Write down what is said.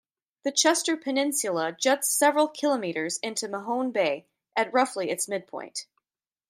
The Chester Peninsula juts several kilometres into Mahone Bay at roughly its midpoint.